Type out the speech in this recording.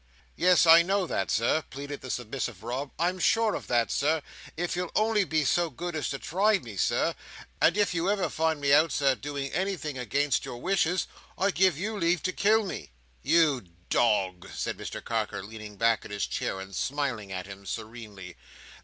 "Yes, I know that, Sir," pleaded the submissive Rob; "I'm sure of that, Sir. If you'll only be so good as try me, Sir! And if ever you find me out, Sir, doing anything against your wishes, I give you leave to kill me." "You dog!" said Mr Carker, leaning back in his chair, and smiling at him serenely.